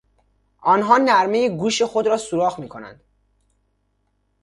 آنها نرمهی گوش خود را سوراخ میکنند.